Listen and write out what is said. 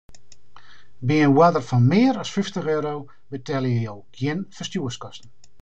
By in oarder fan mear as fyftich euro betelje jo gjin ferstjoerskosten.